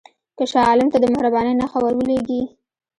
که شاه عالم ته د مهربانۍ نښه ورولېږې.